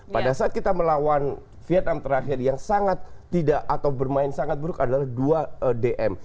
pada saat kita melawan vietnam terakhir yang sangat tidak atau bermain sangat buruk adalah dua dm